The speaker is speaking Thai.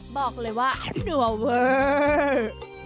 บอกเลยว่านัวเวอร์